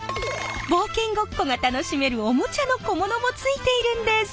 冒険ごっこが楽しめるおもちゃの小物もついているんです。